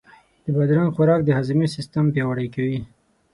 د بادرنګ خوراک د هاضمې سیستم پیاوړی کوي.